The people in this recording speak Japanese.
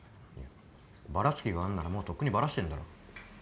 バラす気があんならもうとっくにバラしてんだろ。